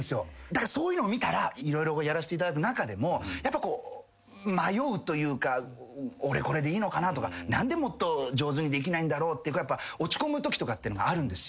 だからそういうのを見たら色々やらせていただく中でもやっぱ迷うというか俺これでいいのかなとか何でもっと上手にできないんだろうって落ち込むときとかってのがあるんですよ。